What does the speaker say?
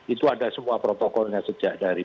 itu ada semua protokolnya sejak dari